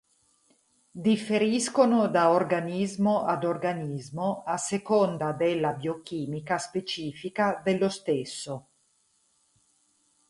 Differiscono da organismo ad organismo, a seconda della biochimica specifica dello stesso.